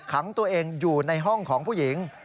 ขังตัวเองอยู่ในห้องของผู้หญิง